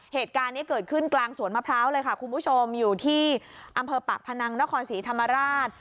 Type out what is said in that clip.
เหตุการณ์นี้เกิดขึ้นกลางสวนมะพร้าวเลยค่ะคุณผู้ชมอยู่ที่อำเภอปากพนังนครศรีธรรมราช